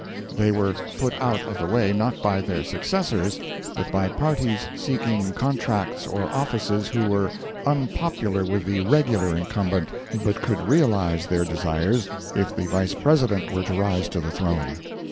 They were put out of the way, not by their successors, but by parties seeking contracts or offices who were unpopular with the regular incumbent, but could realize their desires if the Vice President were to rise to the throne.